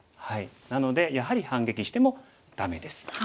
なのでやはり反撃してもダメです。